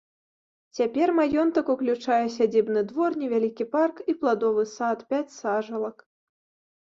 Цяпер маёнтак уключае сядзібны дом, невялікі парк і пладовы сад, пяць сажалак.